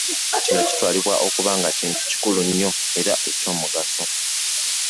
Kino kitwalibwa okuba nga kintu kikulu nnyo era eky’omugaso.